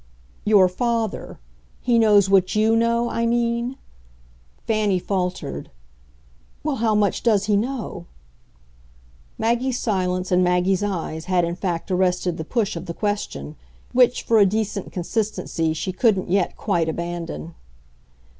"Your father. He knows what YOU know? I mean," Fanny faltered "well, how much does he know?" Maggie's silence and Maggie's eyes had in fact arrested the push of the question which, for a decent consistency, she couldn't yet quite abandon.